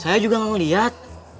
saya juga gak mau lihat